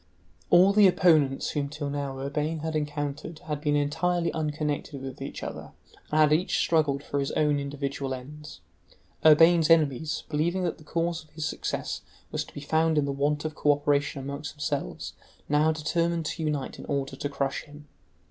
All the opponents whom till now Urbain had encountered had been entirely unconnected with each other, and had each struggled for his own individual ends. Urbain's enemies, believing that the cause of his success was to be found in the want of cooperation among themselves, now determined to unite in order to crush him.